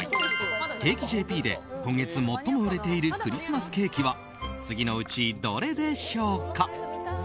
Ｃａｋｅ．ｊｐで今月、最も売れているクリスマスケーキは次のうちどれでしょうか？